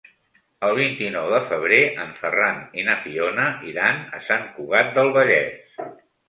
El vint-i-nou de febrer en Ferran i na Fiona iran a Sant Cugat del Vallès.